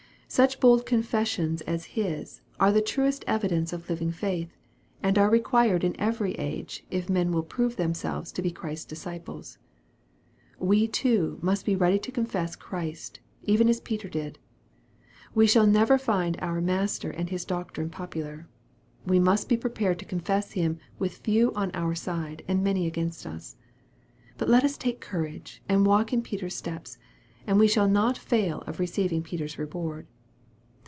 Such bold confessions as his, are the truest evidence of living faith, and are required in every age, if men will prove themselves to be Christ's disciples. We too must be ready to confess Christ, even as Peter did. We shall never find our Master and His doctrine popular. We must be prepared to confess Him, with few on our side, and many against us. But let us take courage and walk in Peter's steps, and we shall not fail of receiving Peter's reward.